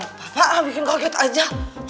bapak ah bikin kaget aja